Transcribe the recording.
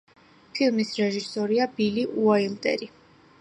ფილმის რეჟისორია ბილი უაილდერი.